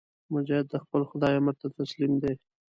مجاهد د خپل خدای امر ته تسلیم دی.